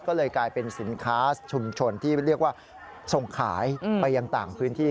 ก็เลยกลายเป็นสินค้าชุมชนที่เรียกว่าส่งขายไปยังต่างพื้นที่